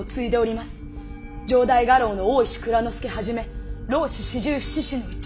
城代家老の大石内蔵助はじめ浪士四十七士のうち